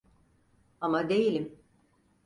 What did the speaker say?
Ama değilim.